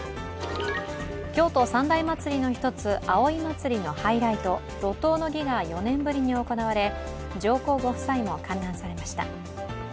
京都三大祭りの一つ、葵祭のハイライト、路頭の儀が４年ぶりに行われ、上皇ご夫妻も観覧されました。